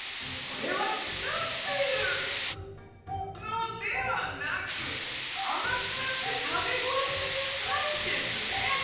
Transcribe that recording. これはくさってるのではなくあまくなってたべごろというサインですね」。